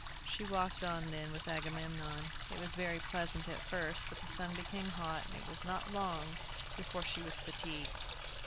She walked on then with Agamemnon. It was very pleasant at first, but the sun became hot, and it was not long before she was fatigued.